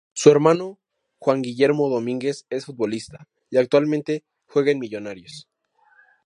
Su hermano Juan Guillermo Domínguez es futbolista y actualmente juega en Millonarios.